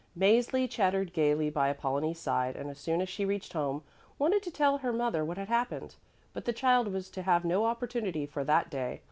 Mäzli chattered gaily by Apollonie's side, and as soon as she reached home, wanted to tell her mother what had happened. But the child was to have no opportunity for that day.